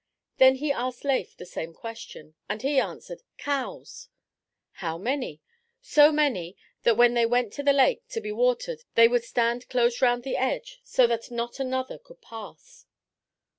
Then he asked Leif the same question, and he answered, "Cows." "How many?" "So many that when they went to the lake to be watered, they would stand close round the edge, so that not another could pass."